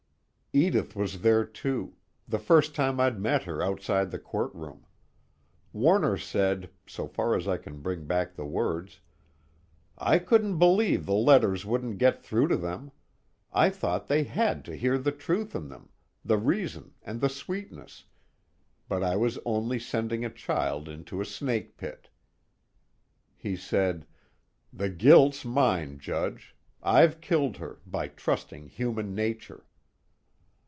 Edith was there too the first time I'd met her outside the courtroom. Warner said, so far as I can bring back the words: "I couldn't believe the letters wouldn't get through to them. I thought they had to hear the truth in them, the reason and the sweetness but I was only sending a child into a snake pit." He said: "The guilt's mine, Judge I've killed her, by trusting human nature."